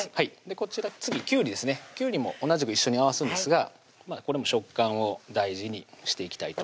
こちら次きゅうりですねきゅうりも同じく一緒に合わすんですがこれも食感を大事にしていきたいと思います